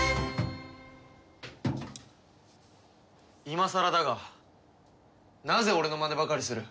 今さらだがなぜ俺のマネばかりする？